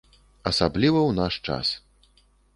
Асабліва ў наш час.